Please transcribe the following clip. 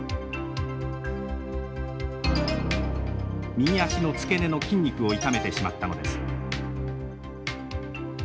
右足の付け根の筋肉を痛めてしまったのです。